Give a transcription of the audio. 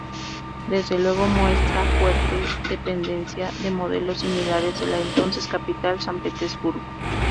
Desde luego, muestra fuerte dependencia de modelos similares de la entonces capital, San Petersburgo.